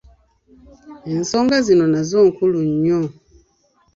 Ensonga zino nazo nkulu nnyo.